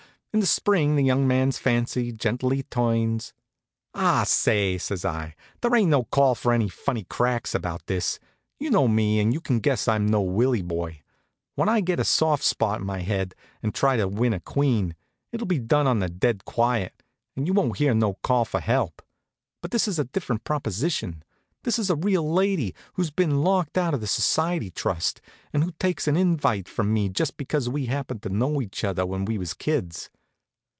In the spring the young man's fancy gently turns " "Ah, say!" says I. "There ain't no call for any funny cracks about this. You know me, and you can guess I'm no Willie boy. When I get a soft spot in my head, and try to win a queen, it'll be done on the dead quiet, and you won't hear no call for help. But this is a different proposition. This is a real lady, who's been locked out by the society trust, and who takes an invite from me just because we happened to know each other when we was kids."